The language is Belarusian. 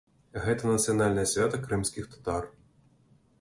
Гэта нацыянальнае свята крымскіх татар.